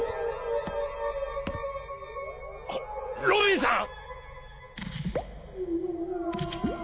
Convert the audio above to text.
あっロビンさん！